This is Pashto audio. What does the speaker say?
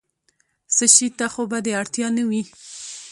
څه شي ته خو به دې اړتیا نه وي؟